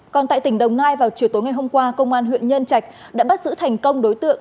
còn tại tỉnh đồng nai vào chiều tối ngày hôm qua công an huyện nhân trạch đã bắt giữ thành công đối tượng